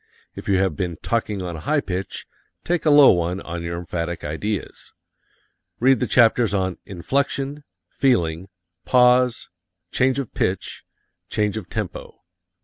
If you have been talking on a high pitch, take a low one on your emphatic ideas. Read the chapters on "Inflection," "Feeling," "Pause," "Change of Pitch," "Change of Tempo."